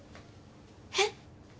えっ？